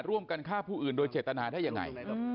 ร่วมกันฆ่าผู้อื่นโดยเจตนาได้ยังไง